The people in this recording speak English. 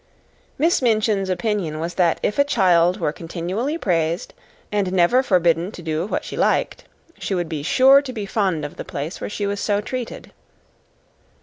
Miss Minchin's opinion was that if a child were continually praised and never forbidden to do what she liked, she would be sure to be fond of the place where she was so treated.